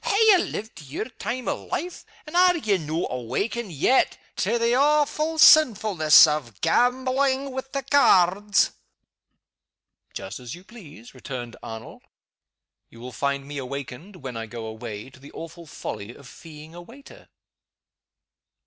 Ha' ye lived to your time o' life, and are ye no' awakened yet to the awfu' seenfulness o' gamblin' wi' the cairds?" "Just as you please," returned Arnold. "You will find me awakened when I go away to the awful folly of feeing a waiter."